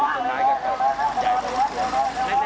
ส้นไม้กันครับใหญ่กว่า